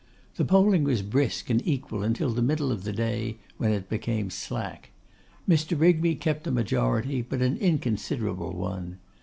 The polling was brisk and equal until the middle of the day, when it became slack. Mr. Rigby kept a majority, but an inconsiderable one.